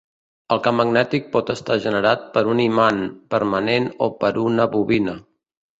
El camp magnètic pot estar generat per un imant permanent o per una bobina.